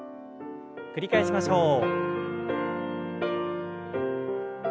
繰り返しましょう。